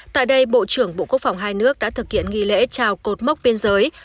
tại đây bộ trưởng bộ quốc phòng hai nước đã thực hiện nghi lễ chào cột mốc biên giới